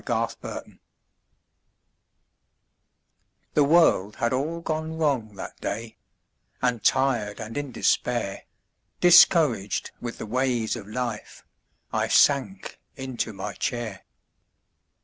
MY COMFORTER The world had all gone wrong that day And tired and in despair, Discouraged with the ways of life, I sank into my chair.